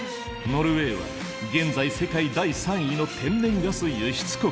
ノルウェーは現在世界第３位の天然ガス輸出国。